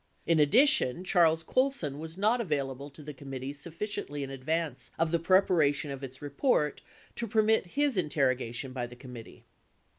In addition, Charles Colson was not available to the committee sufficiently in advance of the preparation of its report to permit his interrogation by the committee.